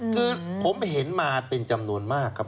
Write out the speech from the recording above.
คือผมเห็นมาเป็นจำนวนมากครับ